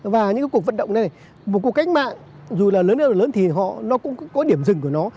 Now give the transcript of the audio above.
và những cái cuộc vận động này một cuộc cánh mạng dù là lớn lên hoặc lớn thì nó cũng có điểm dừng của nó